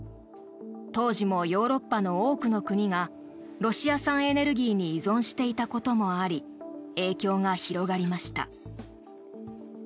当時もヨーロッパの多くの国がロシア産エネルギーに依存していたこともあり影響が広がりました。